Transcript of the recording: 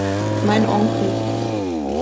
Mein Onkel.